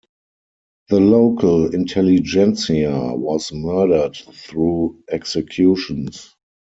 The local intelligentsia was murdered through executions.